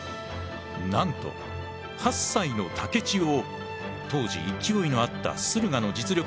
なんと８歳の竹千代を当時勢いのあった駿河の実力者